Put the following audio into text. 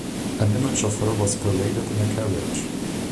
An image of her was paraded in a carriage.